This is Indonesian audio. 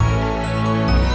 awas batman airnya